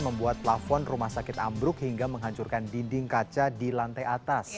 membuat plafon rumah sakit ambruk hingga menghancurkan dinding kaca di lantai atas